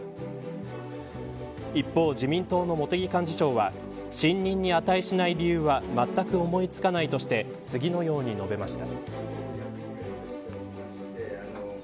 一方、自民党の茂木幹事長は信任に値しない理由はまったく思いつかないとして次のように述べました。